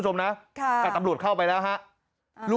แต่ตำรวจเข้าไปแล้ว